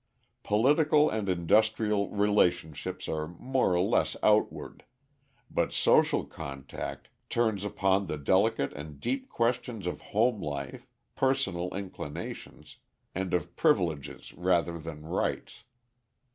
Political and industrial relationships are more or less outward, but social contact turns upon the delicate and deep questions of home life, personal inclinations, and of privileges rather than rights.